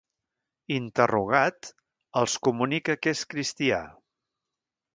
Interrogat, els comunica que és cristià.